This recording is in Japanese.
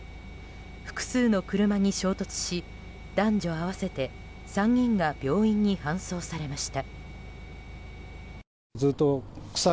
複数の車に衝突し男女合わせて３人が病院に搬送されました。